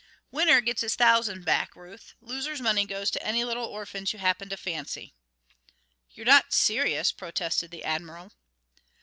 "Winner gets his thousand back, Ruth; loser's money goes to any little orphans you happen to fancy." "You're not serious," protested the Admiral.